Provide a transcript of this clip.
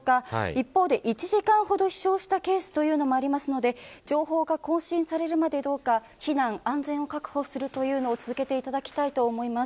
一方で、１時間ほど飛翔したケースもありますので情報が更新されるまで避難、安全を確保することを続けていただきたいと思います。